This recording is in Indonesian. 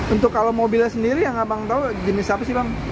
untuk kalau mobilnya sendiri yang abang tahu jenis apa sih bang